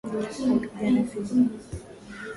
Alikuja na fimbo